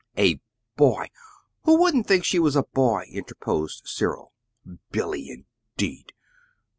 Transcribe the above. "A boy! Who wouldn't think she was a boy?" interposed Cyril. "'Billy,' indeed!